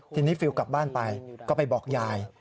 ทีนี้ฟิลกลับบ้านไปก็ไปบอกยาย